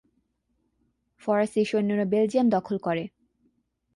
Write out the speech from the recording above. ফরাসী সৈন্যরা বেলজিয়াম দখল করে।